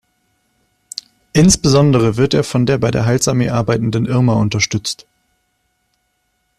Insbesondere wird er von der bei der Heilsarmee arbeitenden Irma unterstützt.